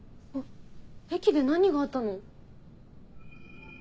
駅で何があったの？